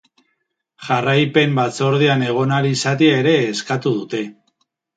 Jarraipen batzordean egon ahal izatea ere eskatu dute.